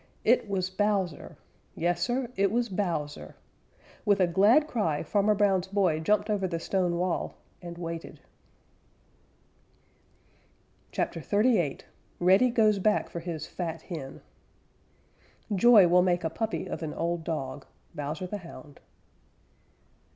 It was Bowser! Yes, Sir, it was Bowser! With a glad cry Farmer Brown's boy jumped over the stone wall and waited. CHAPTER XXXVIII REDDY GOES BACK FOR HIS FAT HEN Joy will make a puppy of an old dog. _Bowser the Hound.